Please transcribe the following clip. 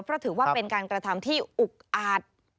เพราะถือว่าเป็นการกระทำที่อุกอาจ